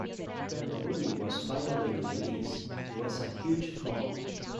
When the movie was finally released, it was a huge flop.